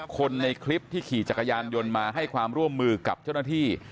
คนในคลิปที่ขี่จักรยานยนต์มาให้ความร่วมมือกับเจ้าหน้าที่